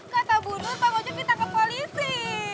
kata bunur pak ojak ditangkap polisi